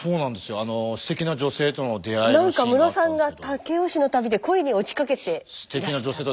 あのなんかムロさんが武雄市の旅で恋に落ちかけていらしたと。